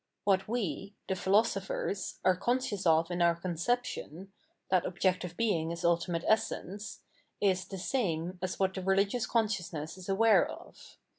What we [the philosophers] are conscious of in our conception, — that objective being is ultimate essence, — ^is the same as what the rehgious consciousness is aware of.